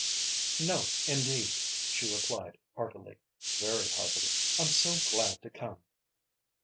"No, indeed," she replied, heartily very heartily. "I'm so glad to come."